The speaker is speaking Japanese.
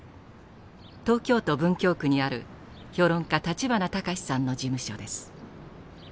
東京都文京区にある評論家立花隆さんの事務所です。